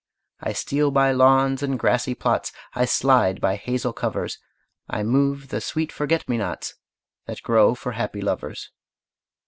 I steal by lawns and grassy plots, I slide by hazel covers, I move the sweet forget me nots That grow for happy lovers.